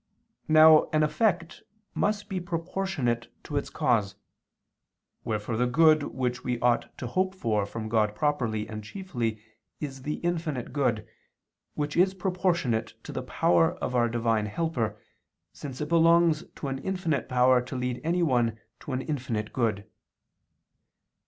Now an effect must be proportionate to its cause. Wherefore the good which we ought to hope for from God properly and chiefly is the infinite good, which is proportionate to the power of our divine helper, since it belongs to an infinite power to lead anyone to an infinite good.